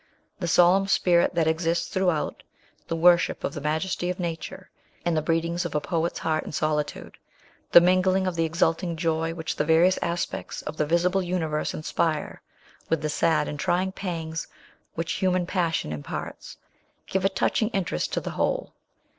The solemn spirit that exists throughout, the worship of the majesty of nature, and the breedings of a poet's heart in solitude the mingling of the exulting joy which the various aspects of the visible universe inspire with the sad and trying pangs which human passion imparts give a touching interest to the whole.